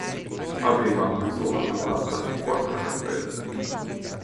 Aveva una sola navata e quattro cappelle.